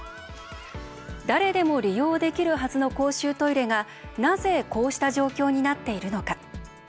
誰でも利用できるはずの公衆トイレが、なぜこうした状況になっているのか。